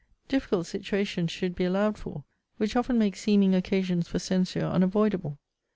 Difficult situations should be allowed for: which often make seeming occasions for censure unavoidable.